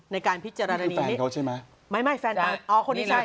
ในการพิจารณานี้นี่คือแฟนเขาใช่ไหม